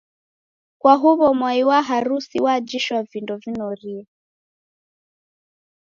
kwa huw'o mwai wa harusi wajishwa vindo vinorie.